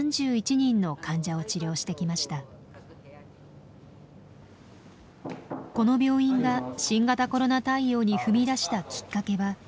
この病院が新型コロナ対応に踏み出したきっかけは第３波の時の経験でした。